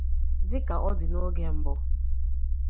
dịka ọ dị n'oge mbụ